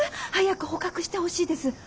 早く捕獲してほしいです。